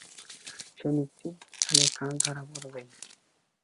সে নিশ্চিত জানে, কাল ধরা পড়বই।